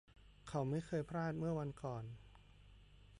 เขาไม่เคยพลาดเมื่อวันก่อน